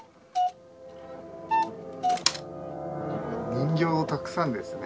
人形たくさんですね。